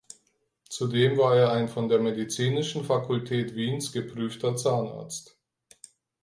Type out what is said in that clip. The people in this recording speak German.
Zudem war er ein von der Medizinischen Fakultät Wiens geprüfter Zahnarzt.